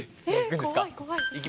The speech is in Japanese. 怖い怖い。